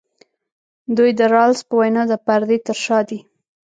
دوی د رالز په وینا د پردې تر شا دي.